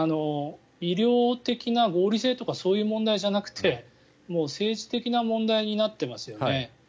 医療的な合理性とかそういう問題じゃなくてもう政治的な問題になってますよね。